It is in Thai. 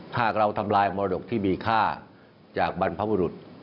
หากเราทำลายมรดกที่มีค่าจากบรรพบุรุษ